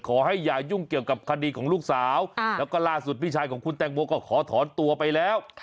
อย่ายุ่งเกี่ยวกับคดีของลูกสาวแล้วก็ล่าสุดพี่ชายของคุณแตงโมก็ขอถอนตัวไปแล้ว